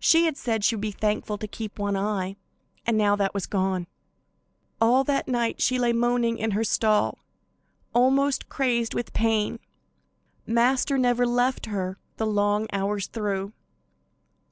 She had said she would be thankful to keep one eye, and now that was gone. All that night she lay moaning in her stall, almost crazed with pain. Master never left her the long hours through.